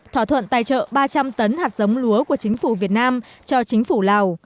thỏa thuận tài trợ ba trăm linh tấn hạt giống lúa của chính phủ việt nam cho chính phủ lào